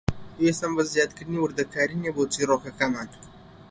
پێویستمان بە زیادکردنی وردەکاری نییە بۆ چیرۆکەکەمان.